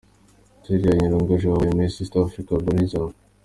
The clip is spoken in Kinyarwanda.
Julia Njoronge wabaye Miss East Africa Belgium.